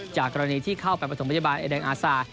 จากกรณีที่เข้าไปประถมพยาบาลไอแดงอาซา